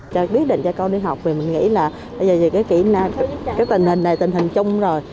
điết định cho con đi học thì mình nghĩ là bây giờ chỉ cái kỹ năng cái tình hình này tình hình chung rồi